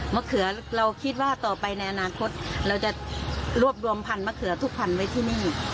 เขือเราคิดว่าต่อไปในอนาคตเราจะรวบรวมพันธมะเขือทุกพันไว้ที่นี่